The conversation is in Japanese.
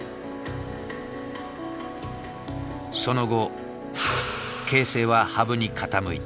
その後形勢は羽生に傾いた。